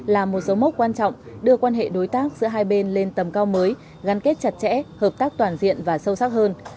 là một dấu mốc quan trọng đưa quan hệ đối tác giữa hai bên lên tầm cao mới gắn kết chặt chẽ hợp tác toàn diện và sâu sắc hơn